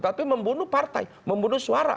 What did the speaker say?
tapi membunuh partai membunuh suara